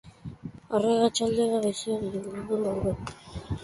Arratsaldean, haizea ipar-mendebaldera aldatuko da, bolada gogor batzuekin kostaldean.